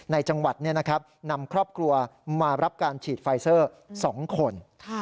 ในจังหวัดนำครอบครัวมารับการฉีดไฟเซอร์๒คน